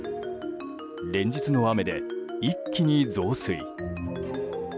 連日の雨で一気に増水。